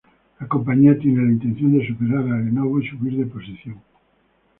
La compañía tiene la intención de superar a Lenovo y subir de posición.